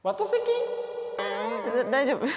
大丈夫？